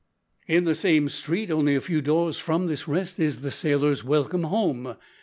In the same street, only a few doors from this Rest, is the `_Sailor's Welcome Home_.'